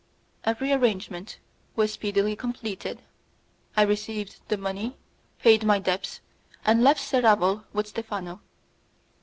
Every arrangement was speedily completed; I received the money, paid my debts, and left Seraval with Stephano.